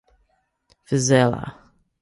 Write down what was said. Vizela.